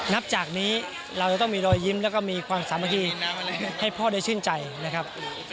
นับจากนี้เราจะต้องมีรอยยิ้มแล้วก็มีความสามัคคีให้พ่อได้ชื่นใจนะครับ